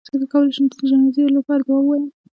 څنګه کولی شم د جنازې لپاره دعا ووایم